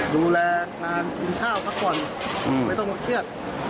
ดูแลงานกินข้าวพักผ่อนไม่ต้องมาเครียด